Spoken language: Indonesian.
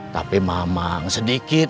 tapi mamang sedikit